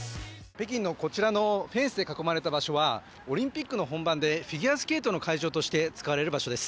北京のこちらのフェンスで囲まれた場所はオリンピックの本番でフィギュアスケートの会場として使われる場所です。